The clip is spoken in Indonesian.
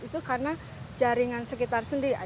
itu karena jaringan sekitar sendiri